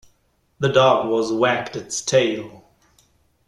The dog was wagged its tail.